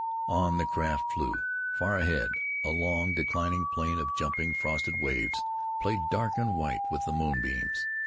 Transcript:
On the craft flew. Far ahead, a long, declining plane of jumping frosted waves played dark and white with the moonbeams.